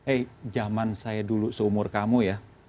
eh zaman saya dulu seumur kamu ya